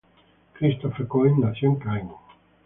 Christophe Coin nació en Caen.